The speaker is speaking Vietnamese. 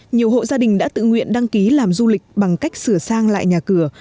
nhiều hộ gia đình đã tự nguyện đăng ký làm du lịch bằng cách sửa sang lại nhà cửa